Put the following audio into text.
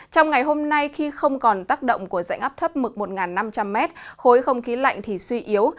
trong ngày hôm nay khi không còn tác động của dạnh áp thấp mực một năm trăm linh m khối không khí lạnh thì suy yếu